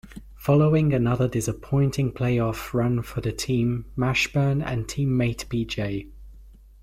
Following another disappointing playoff run for the team, Mashburn and teammate P. J.